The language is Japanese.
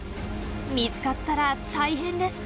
見つかったら大変です。